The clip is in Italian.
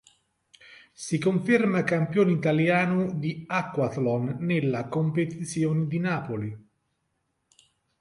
Si conferma campione italiano di aquathlon nella competizione di Napoli.